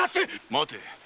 待て。